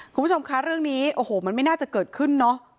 คุณผู้ชมคะเรื่องนี้โอ้โหมันไม่น่าจะเกิดขึ้นเนอะ